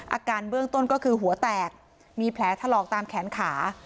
อาการเบื้องต้นก็คือหัวแตกมีแผลถลอกตามแขนขา